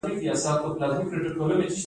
روزنیز پروګرامونه مهم دي